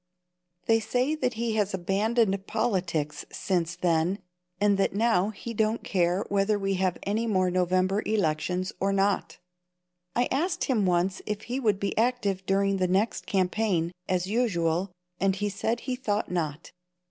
They say that he has abandoned politics since then, and that now he don't care whether we have any more November elections or not. I asked him once if he would be active during the next campaign, as usual, and he said he thought not.